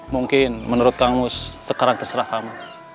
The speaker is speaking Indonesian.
mungkin menurut kang mus sekarang terserah kamu